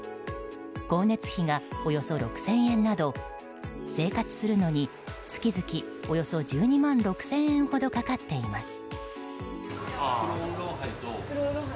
光熱費がおよそ６０００円など生活するのに月々およそ１２万６０００円ほどかかっています。